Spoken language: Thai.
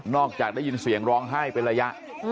จากได้ยินเสียงร้องไห้เป็นระยะ